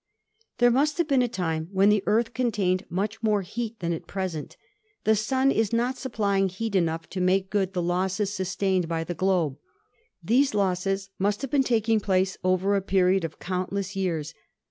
There must have been a time when the Earth contained much more heat than at present. The Sun is not supply ing heat enough to make good the losses sustained by the glebe. These losses must have been taking place over a period of countless years.